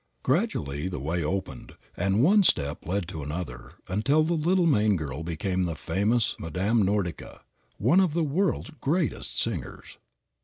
Gradually the way opened, and one step led to another until the little Maine girl became the famous Madame Nordica, one of the world's greatest singers.